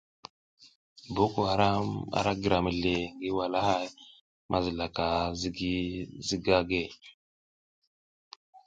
Boko haram ara gira mizli ngi walahay mazilaka ZIGI ZIGAGUE.